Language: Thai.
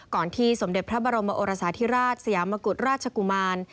ที่สมเด็จพระบรมโอรสาธิราชสยามกุฎราชกุมาร